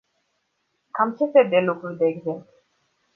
Cam ce fel de lucruri de exemplu?